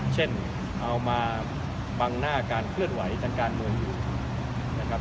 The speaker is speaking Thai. เช่นเอามาบังหน้าการเคลื่อนไหวทางการเมืองอยู่นะครับ